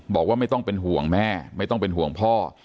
บอกว่าไม่ต้องเป็นห่วงแม่ไม่ต้องเป็นห่วงพ่อ